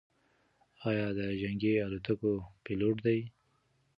ایا ده د جنګي الوتکو پیلوټ دی؟